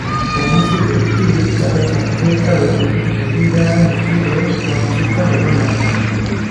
କୌଣସି ବ୍ଯକ୍ତି ତାର ଜାତୀୟତାରୁ ମେରୀରାୟ ନୀତିରେ ବଞ୍ଚିତ ହେବନାହିଁ ।